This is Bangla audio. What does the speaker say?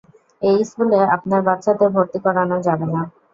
এই স্কুলে আপনার বাচ্চাদের ভর্তি করানো যাবে না।